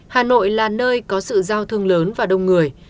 hà nội là nơi có sự giao thương lớn và đông người